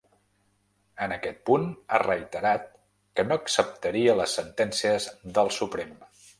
En aquest punt, ha reiterat que no acceptaria les sentències del Suprem.